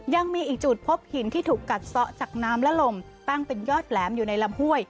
ยังมีอีกจุดพบหินที่ถูกกัดซ้อจากน้ำและลมตั้งเป็นยอดแหลมอยู่ในลำห้วย